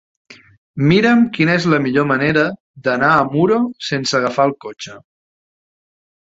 Mira'm quina és la millor manera d'anar a Muro sense agafar el cotxe.